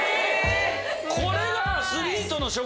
これがアスリートの食事？